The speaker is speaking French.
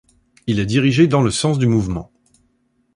Il est dirigé dans le sens du mouvement.